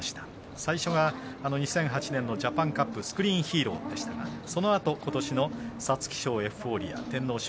最初が２００８年のジャパンカップスクリーンヒーローでしたがそのあと皐月賞エフフォーリア。